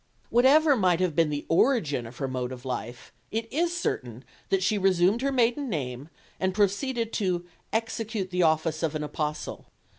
Whatever might have been the origin of her mode of life, it is certain that she resumed her maiden name, and proceeded to "execute the office of an apostle."